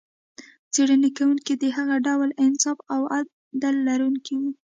څېړنې کوونکي د هغه ډول انصاف او عدل لرونکي و.